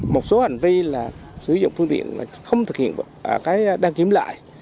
một số hành vi là sử dụng phương tiện không thực hiện cái đăng kiểm lại